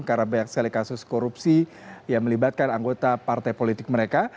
karena banyak sekali kasus korupsi yang melibatkan anggota partai politik mereka